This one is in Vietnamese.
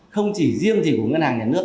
không chỉ riêng gì của ngân hàng nhà nước